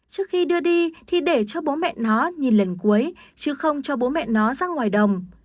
trước khi đưa đi thì để cho bố mẹ nó nhìn lần cuối chứ không cho bố mẹ nó ra ngoài đồng